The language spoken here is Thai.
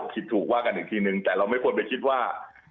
คิดถูกว่ากันอีกทีนึงแต่เราไม่ควรไปคิดว่า